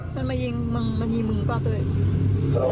มันมายิงมึงมายิงมึงป่ะตัวเอง